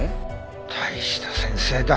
大した先生だ。